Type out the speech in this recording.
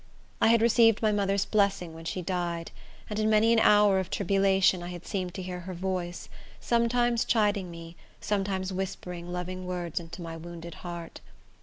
I had received my mother's blessing when she died; and in many an hour of tribulation I had seemed to hear her voice, sometimes chiding me, sometimes whispering loving words into my wounded heart.